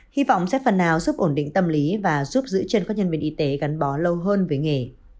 hy vọng sẽ phần nào giúp ổn định tâm lý và giúp giữ chân các nhân viên y tế gắn bó lâu hơn với nghề